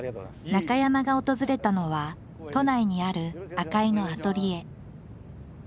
中山が訪れたのは都内にある赤井のアトリエ。